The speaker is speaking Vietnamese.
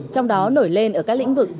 trong đó nổi lên ở các lĩnh vực